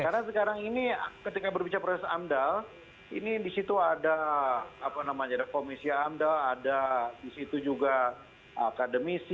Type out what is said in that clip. karena sekarang ini ketika berbicara proses amdal ini di situ ada komisi amdal ada di situ juga akademisi